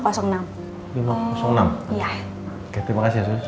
oke terima kasih ya